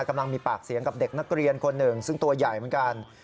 กำลังมีปากเสียงกับเด็กนักเรียนคนหนึ่งซึ่งตัวใหญ่เหมือนกัน